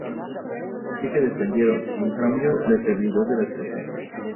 Si que defendieron, en cambio, la eternidad de la creación.